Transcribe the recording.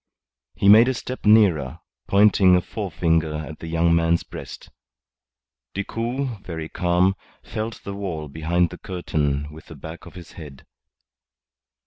He made a step nearer, pointing a forefinger at the young man's breast. Decoud, very calm, felt the wall behind the curtain with the back of his head.